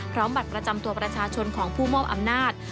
บัตรประจำตัวประชาชนของผู้มอบอำนาจ